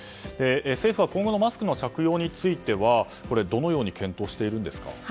政府は今後のマスク着用についてはどのように検討しているんですか。